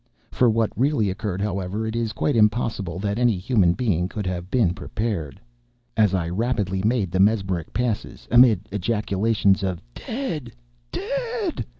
For what really occurred, however, it is quite impossible that any human being could have been prepared. As I rapidly made the mesmeric passes, amid ejaculations of "dead! dead!"